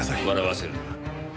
笑わせるな。